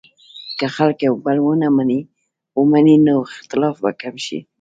که خلک یو بل ومني، نو اختلاف به کم شي.